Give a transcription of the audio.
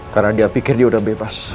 karena dia pikir dia udah bebas